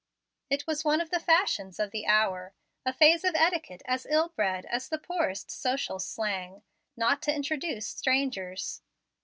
It was one of the fashions of the hour a phase of etiquette as ill bred as the poorest social slang not to introduce strangers.